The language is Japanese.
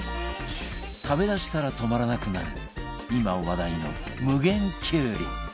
食べだしたら止まらなくなる今話題の無限きゅうり